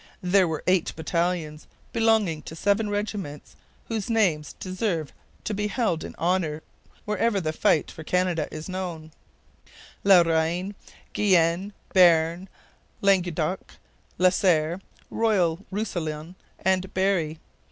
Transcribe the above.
There were eight battalions, belonging to seven regiments whose names deserve to be held in honour wherever the fight for Canada is known: La Reine, Guienne, Bearn, Languedoc, La Sarre, Royal Roussillon, and Berry.